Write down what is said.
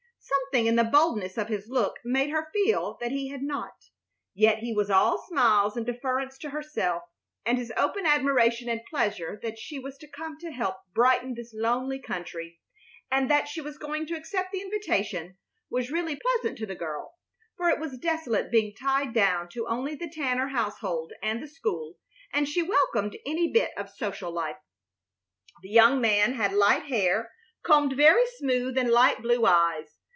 Something in the boldness of his look made her feel that he had not. Yet he was all smiles and deference to herself, and his open admiration and pleasure that she was to come to help brighten this lonely country, and that she was going to accept the invitation, was really pleasant to the girl, for it was desolate being tied down to only the Tanner household and the school, and she welcomed any bit of social life. The young man had light hair, combed very smooth, and light blue eyes.